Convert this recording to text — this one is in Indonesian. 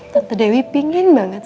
tante dewi pingin banget